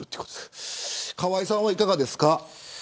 河井さんはいかがですか。